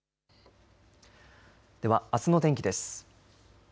では、あすの天気です。